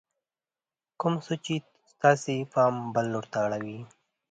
کوم چې ستاسې پام بل لور ته اړوي :